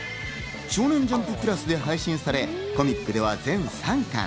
『少年ジャンプ＋』で配信され、コミックでは全３巻。